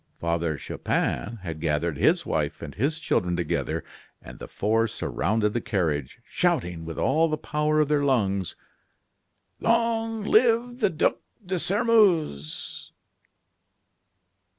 Father Chupin had gathered his wife and his children together, and the four surrounded the carriage, shouting, with all the power of their lungs: "Long live the Duc de Sairmeuse!"